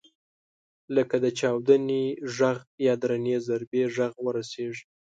لکه د چاودنې غږ یا درنې ضربې غږ ورسېږي.